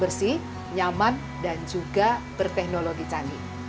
bersih nyaman dan juga berteknologi canggih